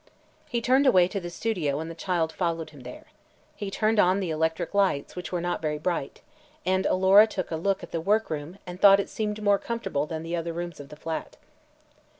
He turned away to the studio and the child followed him there. He turned on the electric lights, which were not very bright, and Alora took a look at the workroom and thought it seemed more comfortable than the other rooms of the flat.